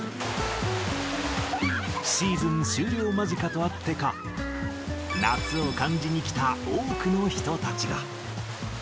シーズン終了間近とあってか、夏を感じに来た多くの人たちが。